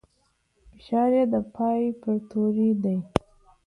فشار يې د پای پر توري دی.